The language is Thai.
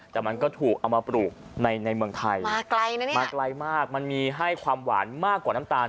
แต่มันก็ถูกเอามาปลูกในเมืองไทยมาไกลมากมันมีให้ความหวานมากกว่าน้ำตาล